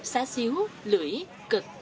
xá xíu lưỡi cực